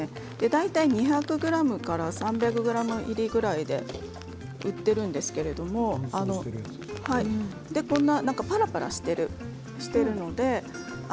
大体２００ｇから３００ｇぐらいで売っているんですがぱらぱらしています。